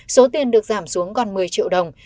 số tiền được giảm xuống còn một mươi triệu đồng